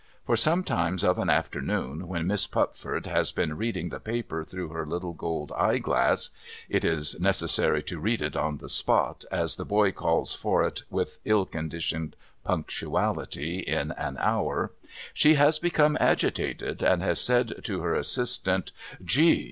For, sometimes of an afternoon when Miss Pupford has been reading the paper through her little gold eye glass (it is necessary to read it on the spot, as the boy calls for it, with ill conditioned punctuality, in an hour), she has become agitated, and has said to her assistant ' G